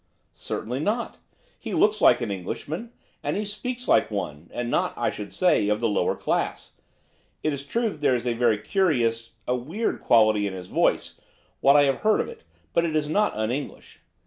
'Certainly not. He looks like an Englishman, and he speaks like one, and not, I should say, of the lowest class. It is true that there is a very curious, a weird, quality in his voice, what I have heard of it, but it is not un English.